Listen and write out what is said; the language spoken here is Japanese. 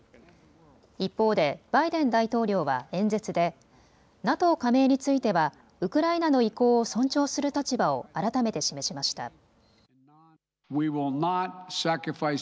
一方でバイデン大統領は演説でＮＡＴＯ加盟についてはウクライナの意向を尊重する立場を改めて示しました。